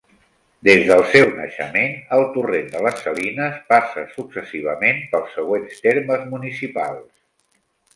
Des del seu naixement, el Torrent de les Salines passa successivament pels següents termes municipals.